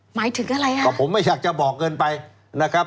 หมายถึงอะไรอ่ะก็ผมไม่อยากจะบอกเงินไปนะครับ